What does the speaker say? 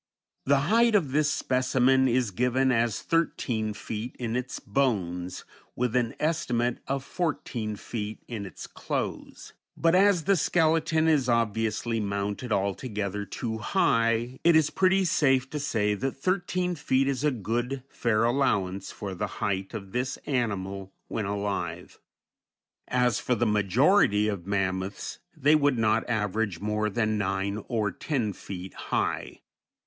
The height of this specimen is given as thirteen feet in its bones, with an estimate of fourteen feet in its clothes; but as the skeleton is obviously mounted altogether too high, it is pretty safe to say that thirteen feet is a good, fair allowance for the height of this animal when alive. As for the majority of mammoths, they would not average more than nine or ten feet high.